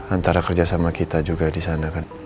antara kerja sama kita juga disana kan